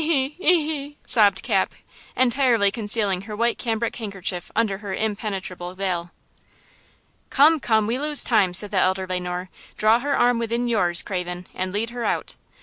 Ee–hee!" sobbed Cap, entirely concealing her white cambric handkerchief under her impenetrable veil. "Come, come! we lose time!" said the elder Le Noir. "Draw her arm within yours, Craven, and lead her out."